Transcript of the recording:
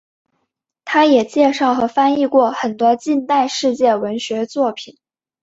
它也介绍和翻译过很多近代世界文学作品。